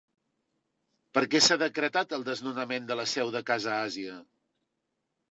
Per què s'ha decretat el desnonament de la seu de Casa Àsia?